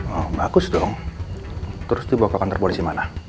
oh bagus dong terus dibawa ke kantor polisi mana